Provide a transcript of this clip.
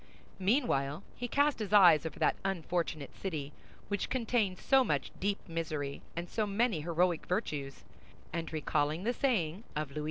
Meanwhile, he cast his eyes over that unfortunate city, which contained so much deep misery and so many heroic virtues, and recalling the saying of Louis XI.